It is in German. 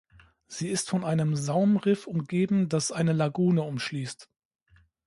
Sie ist von einem Saumriff umgeben, das eine Lagune umschließt.